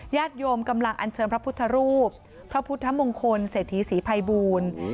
ญาติโยมกำลังอัญเชิญพระพุทธรูปพระพุทธมงคลเศรษฐีศรีภัยบูรณ์